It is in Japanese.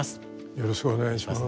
よろしくお願いします。